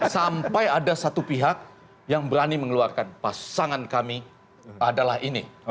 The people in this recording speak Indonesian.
sampai ada satu pihak yang berani mengeluarkan pasangan kami adalah ini